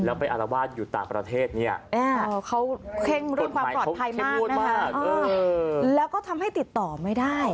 แล้วไปอารวาสอยู่ต่างประเทศเนี่ยเขาเค้งเรื่องความปลอดภัยมากนะคะแล้วก็ทำให้ติดต่อไม่ได้